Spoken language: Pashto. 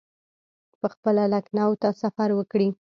پخپله لکنهو ته سفر وکړي.